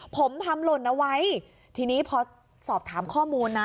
ผมทำหล่นเอาไว้ทีนี้พอสอบถามข้อมูลนะ